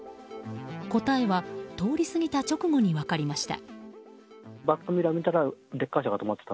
答えは通り過ぎた直後に分かりました。